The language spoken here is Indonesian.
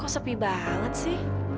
kok sepi sekali